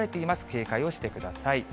警戒をしてください。